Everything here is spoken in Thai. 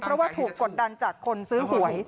เพราะว่าถูกกดดันจากคนซื้อหวย